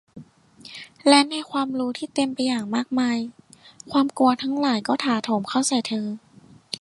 และในความรู้ที่เต็มไปอย่างมากมาย ความกลัวทั้งหลายก็ถาโถมเข้าใส่เธอ